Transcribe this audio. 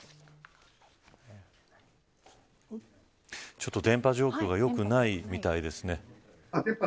ちょっと電波状況が良くないみたいですね。